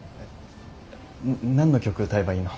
何の曲歌えばいいの？